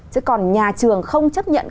chứ còn nhà trường không chấp nhận